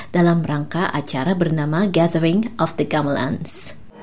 dalam rangka acara bernama gathering of the comelans